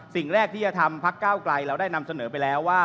สิ่งแรกที่จะทำพักก้าวไกลเราได้นำเสนอไปแล้วว่า